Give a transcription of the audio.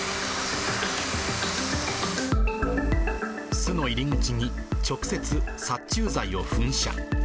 巣の入り口に直接、殺虫剤を噴射。